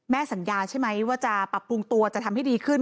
สัญญาใช่ไหมว่าจะปรับปรุงตัวจะทำให้ดีขึ้น